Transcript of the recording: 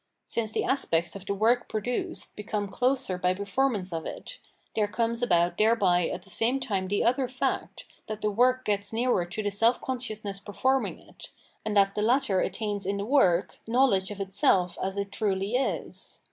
Since the aspects of the work produced become closer by performance of it, there comes about thereby at the same time the other fact, that the work gets nearer to the self consciousness performing it, and that the latter attains in the work knowledge of itself as it truly is.